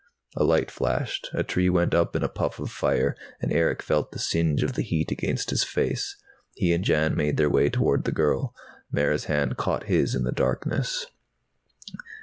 A light flashed. A tree went up in a puff of fire, and Erick felt the singe of the heat against his face. He and Jan made their way toward the girl. Mara's hand caught his in the darkness.